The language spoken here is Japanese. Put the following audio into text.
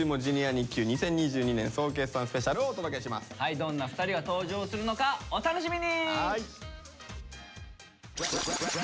どんな２人が登場するのかお楽しみに！